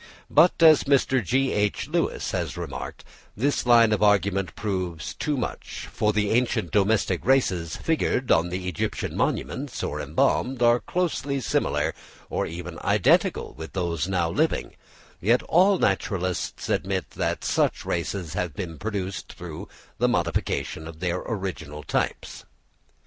But, as Mr. G.H. Lewes has remarked, this line of argument proves too much, for the ancient domestic races figured on the Egyptian monuments, or embalmed, are closely similar or even identical with those now living; yet all naturalists admit that such races have been produced through the modification of their original types.